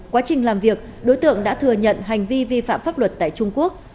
quá trình làm việc đối tượng đã thừa nhận hành vi vi phạm pháp luật tại trung quốc